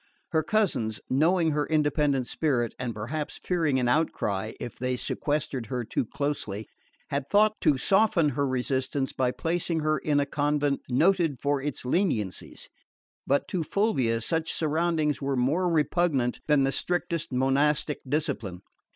Her cousins, knowing her independent spirit, and perhaps fearing an outcry if they sequestered her too closely, had thought to soften her resistance by placing her in a convent noted for its leniencies; but to Fulvia such surroundings were more repugnant than the strictest monastic discipline.